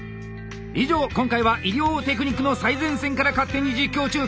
以上今回は医療テクニックの最前線から勝手に実況中継。